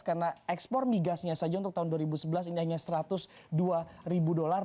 karena ekspor migasnya saja untuk tahun dua ribu sebelas ini hanya satu ratus dua ribu dolar